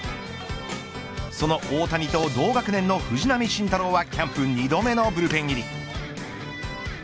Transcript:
その大谷と同学年の藤浪晋太郎はキャンプ２度目のブルペン入り。